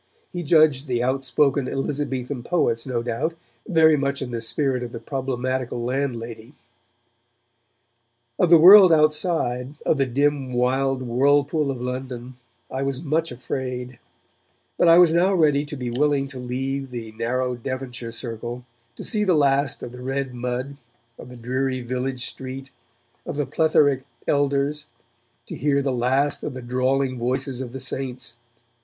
He judged the outspoken Elizabethan poets, no doubt, very much in the spirit of the problematical landlady. Of the world outside, of the dim wild whirlpool of London, I was much afraid, but I was now ready to be willing to leave the narrow Devonshire circle, to see the last of the red mud, of the dreary village street, of the plethoric elders, to hear the last of the drawling voices of the 'Saints'.